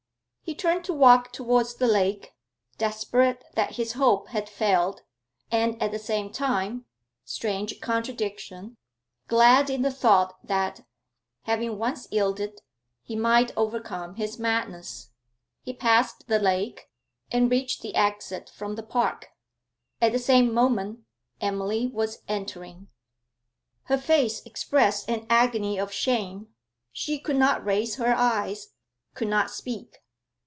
He turned to walk towards the lake, desperate that his hope had failed, and at the same time strange contradiction glad in the thought that, having once yielded, he might overcome his madness. He passed the lake, and reached the exit from the park. At the same moment Emily was entering. Her face expressed an agony of shame; she could not raise her eyes, could not speak.